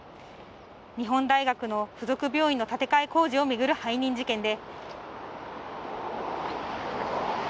日本大学の付属病院の建て替え工事を巡る背任事件で。